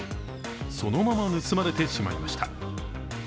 そのまま盗まれてしまいました。